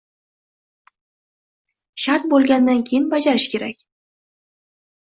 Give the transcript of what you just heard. — Shart bo‘lgandan keyin bajarish kerak.